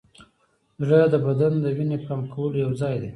زړه د بدن د وینې پمپ کولو یوځای دی.